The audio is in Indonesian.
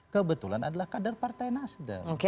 kebetulan adalah kader partai nasdem